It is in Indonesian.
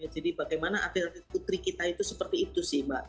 jadi bagaimana atlet atlet putri kita itu seperti itu sih mbak ayu